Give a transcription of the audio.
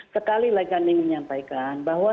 sekali lagi saya ingin menyampaikan bahwa